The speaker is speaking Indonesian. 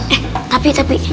eh tapi tapi